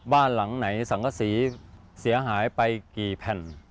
บ้านหลังไหนสังกษีเสียหายไปกี่แผ่น